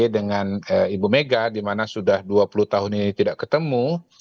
dengan ibu mega di mana sudah dua puluh tahun ini tidak ketemu